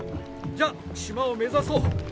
じゃあ島を目指そう。